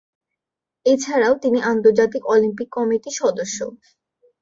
এছাড়াও তিনি আন্তর্জাতিক অলিম্পিক কমিটির সদস্য।